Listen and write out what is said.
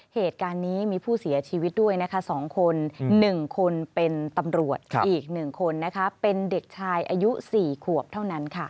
เหตุการณ์นี้มีผู้เสียชีวิตด้วยนะคะ๒คน๑คนเป็นตำรวจอีก๑คนนะคะเป็นเด็กชายอายุ๔ขวบเท่านั้นค่ะ